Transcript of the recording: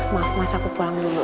maaf mas aku pulang dulu